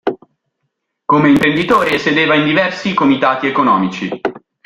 Come imprenditore sedeva in diversi comitati economici.